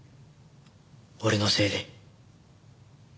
俺のせいで。